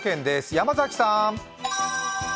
山崎さん。